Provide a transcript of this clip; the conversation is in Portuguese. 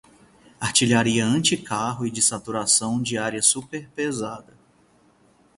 Artilharia anticarro e de saturação de área super-pesada